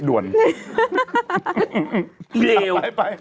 ดู